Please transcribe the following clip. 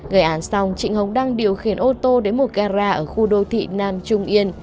gây án xong trịnh hồng đang điều khiển ô tô đến một gara ở khu đô thị nam trung yên